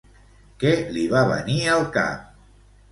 Què li va venir al cap?